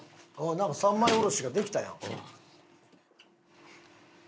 なんか三枚下ろしができたやん。